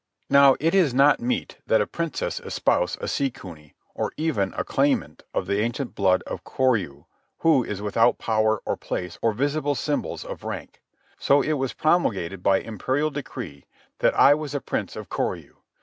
Now it is not meet that a princess espouse a sea cuny, or even a claimant of the ancient blood of Koryu, who is without power, or place, or visible symbols of rank. So it was promulgated by imperial decree that I was a prince of Koryu.